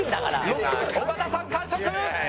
尾形さん完食！